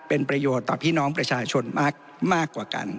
เป็นประโยชน์ต่อพี่น้องประชาชนมากกว่ากัน